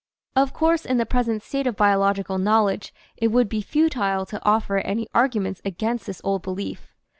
Of course in the present state of biological knowledge it would be futile to offer any arguments against this old belief.